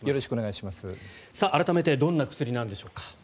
改めてどんな薬なんでしょうか。